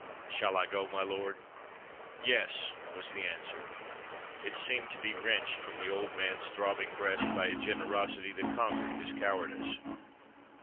"Shall I go, my lord?" "Yes," was the answer. It seemed to be wrenched from the old man's throbbing breast by a generosity that conquered his cowardice.